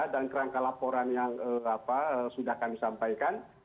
dan rangka laporan yang sudah kami sampaikan